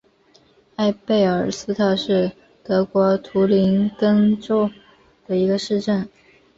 埃贝尔斯特是德国图林根州的一个市镇。